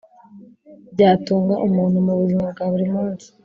byatunga umuntu mu buzima bwa buri munsi